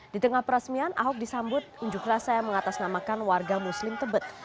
di tengah peresmian ahok disambut unjuk rasa yang mengatasnamakan warga muslim tebet